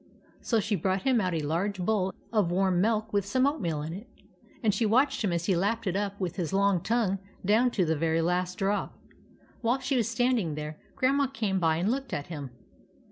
So she brought him out a large bowl of warm milk with some oatmeal in it, and watched him as he lapped it with his long tongue down to the very last drop. While she was standing there, Grandma came by and looked at him.